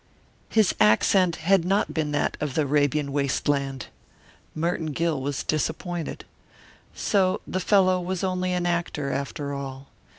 His accent had not been that of the Arabian waste land. Merton Gill was disappointed. So the fellow was only an actor, after all.